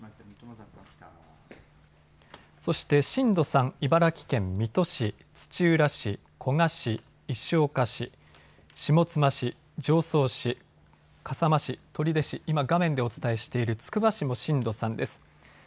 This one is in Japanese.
そして震度３、茨城県水戸市、土浦市、古河市、石岡市、下妻市、常総市、笠間市、取手市、今画面でお伝えしているつくば市も震度３です。